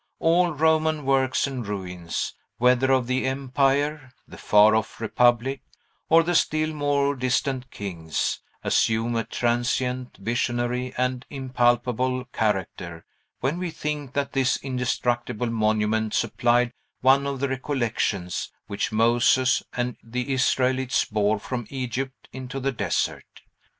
All Roman works and ruins (whether of the empire, the far off republic, or the still more distant kings) assume a transient, visionary, and impalpable character when we think that this indestructible monument supplied one of the recollections which Moses and the Israelites bore from Egypt into the desert.